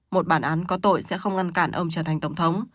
một bản án có tội sẽ không ngăn cản ông trở thành tổng thống